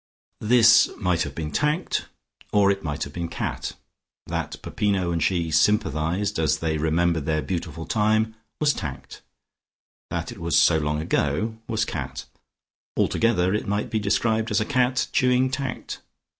This might have been tact, or it might have been cat. That Peppino and she sympathised as they remembered their beautiful time was tact, that it was so long ago was cat. Altogether it might be described as a cat chewing tact.